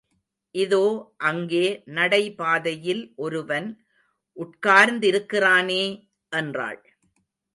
இதோ அங்கே நடைபாதையில் ஒருவன் உட்கார்ந்திருக்கிறானே! என்றாள்.